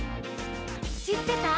「しってた？」